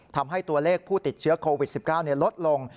ทำให้ตัวเลขผู้ติดเชื้อโควิด๑๙ลดลง